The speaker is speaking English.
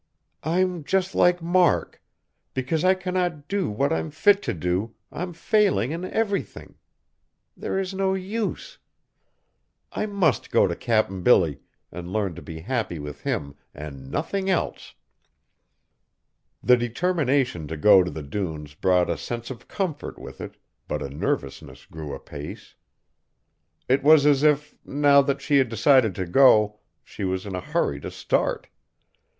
"I'm just like Mark. Because I cannot do what I'm fit to do, I'm failing in everything. There is no use! I must go to Cap'n Billy, and learn to be happy with him and nothing else!" The determination to go to the dunes brought a sense of comfort with it, but a nervousness grew apace. It was as if, now that she had decided to go, she was in a hurry to start.